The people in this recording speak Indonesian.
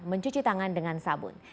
mencuci tangan dengan sabun